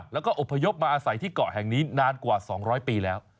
แล้วก็อบพยพมาอาศัยที่เกาะแห่งนี้นานกว่า๒๐๐ปีแล้ว